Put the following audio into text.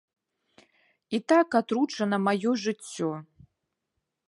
І так атручана маё жыццё.